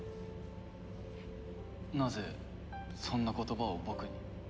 なぜそんな言葉を僕に。